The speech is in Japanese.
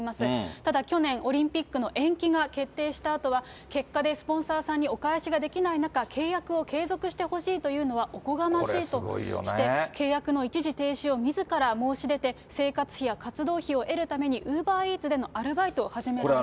ただ去年、オリンピックの延期が決定したあとは、結果でスポンサーさんにお返しができない中、契約を継続してほしいというのはおこがましいとして、契約の一時停止をみずから申し出て、生活費や活動費を得るために、ウーバーイーツでのアルバイトを始められました。